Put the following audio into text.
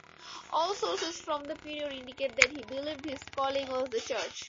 All sources from the period indicate that he believed his calling was the Church.